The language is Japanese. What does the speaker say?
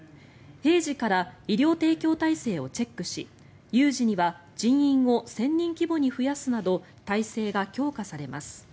平時から医療提供体制をチェックし有事には人員を１０００人規模に増やすなど体制が強化されます。